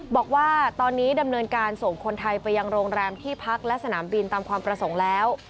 บอกว่าตอนนี้ดำเนินการส่งคนไทยไปยังโรงแรมที่พักและสนามบินตามความประสงค์แล้ว